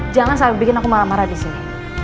jangan sampai bikin aku marah marah di sini